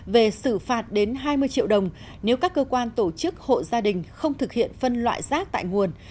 về xử phạt đến hai mươi triệu đồng nếu các cơ quan tổ chức hộ gia đình không thực hiện phân loại rác tại nguồn